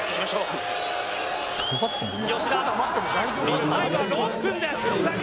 吉田ロスタイムは６分です。